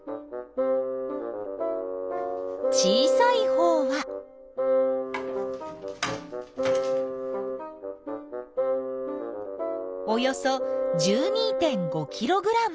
小さいほうはおよそ１２．５ｋｇ。